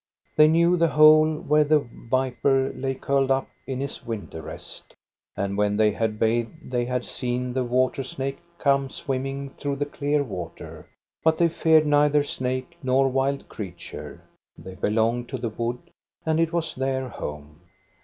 They knew the hole where the viper lay curled up in his winter rest; and when they had bathed they had seen the water snake come swimming through the clear water; but they feared neither snake nor wild creature ; they belonged to the wood and it was their home.